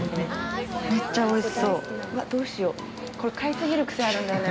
めっちゃおいしそう。